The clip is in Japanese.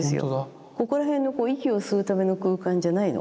ここら辺の息を吸うための空間じゃないの。